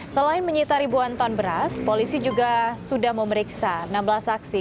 selain menyita ribuan ton beras polisi juga sudah memeriksa enam belas saksi